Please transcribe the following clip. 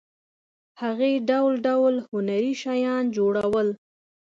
هغې ډول ډول هنري شیان جوړول.